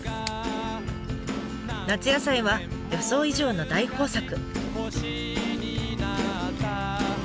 夏野菜は予想以上の大豊作。